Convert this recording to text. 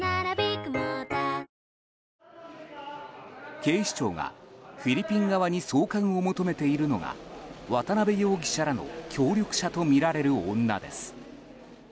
警視庁がフィリピン側に送還を求めているのが渡邉容疑者らの協力者とみられる女です。